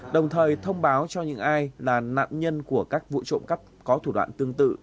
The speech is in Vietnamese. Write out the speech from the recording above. đồng thời thông báo cho những ai là nạn nhân của các vụ trộm cắp có thủ đoạn tương tự